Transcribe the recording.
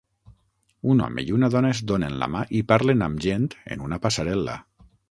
Un home i una dona es donen la mà i parlen amb gent en una passarel·la